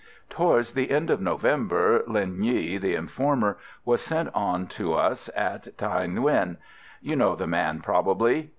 "Towards the end of November, Linh Nghi, the informer, was sent on to us at Thaï Nguyen. You know the man, probably?"